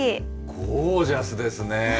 ゴージャスですね。